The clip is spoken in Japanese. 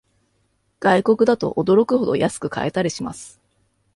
外国だと驚くほど安く買えたりします